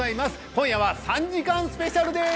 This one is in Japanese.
今夜は３時間スペシャルです